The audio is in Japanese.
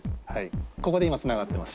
ここで今つながってます